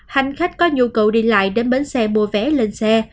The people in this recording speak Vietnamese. hành khách có nhu cầu đi lại đến bến xe mua vé lên xe